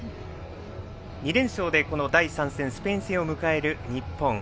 ２連勝で第３戦スペイン戦を迎える日本。